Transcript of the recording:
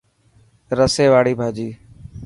رسي واڙي ڀاڄي.